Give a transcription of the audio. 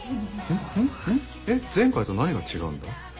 えっ前回と何が違うんだ？